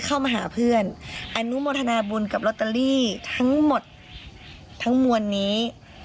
เข้ามาหาเพื่อนอนุโมทนาบุญกับลอตเตอรี่ทั้งหมดทั้งมวลนี้